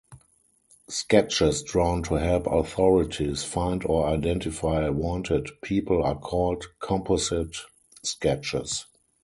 Sketches drawn to help authorities find or identify wanted people are called composite sketches.